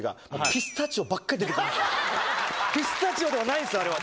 ピスタチオではないんです、あれは。